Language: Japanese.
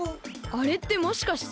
あれってもしかして。